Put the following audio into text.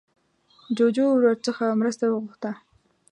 جوجو ورڅخه مرسته وغوښته